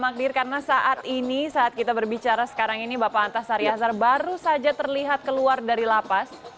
pak magdir karena saat ini saat kita berbicara sekarang ini bapak antas saryazar baru saja terlihat keluar dari lapas